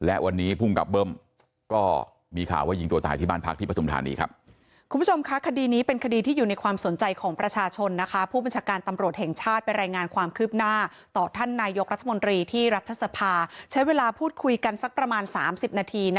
และวันนี้ภูมิกับเบิ้มก็มีข่าวว่ายิงตัวตายที่บ้านพักที่ปฐุมธานีครับ